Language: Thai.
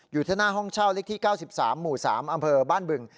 อยู่ที่หน้าห้องเช่าเลขที่๙๓หมู่๓อำเภอบ้านบึง